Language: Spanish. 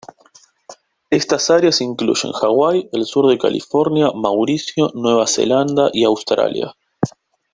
Estas áreas incluyen Hawái, el sur de California, Mauricio, Nueva Zelanda y Australia.